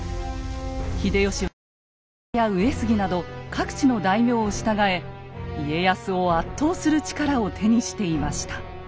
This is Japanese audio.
秀吉は織田や上杉など各地の大名を従え家康を圧倒する力を手にしていました。